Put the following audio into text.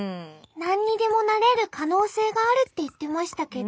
何にでもなれる可能性があるって言ってましたけど。